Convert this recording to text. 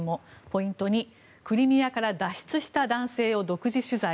ポイント２、クリミアから脱出した男性を独自取材。